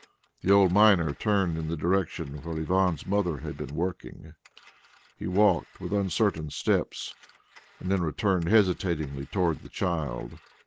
The old miner turned in the direction where Ivan's mother had been working. He walked with uncertain steps and then returned hesitatingly towards the child.